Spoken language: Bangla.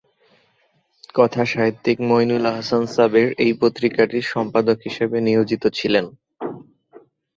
কথাসাহিত্যিক মইনুল আহসান সাবের এই পত্রিকাটির সম্পাদক হিসাবে নিয়োজিত ছিলেন।